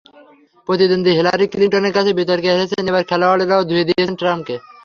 প্রতিদ্বন্দ্বী হিলারি ক্লিনটনের কাছে বিতর্কে হেরেছেন, এবার খেলোয়াড়েরাও ধুয়ে দিচ্ছেন ট্রাম্পকে।